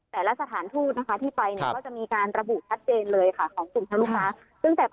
แต่ละสถานทูตที่ไปก็จะมีการระบุชัดเจนเลยของกลุ่มชาติลูกฟ้า